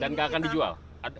dan nggak akan dijual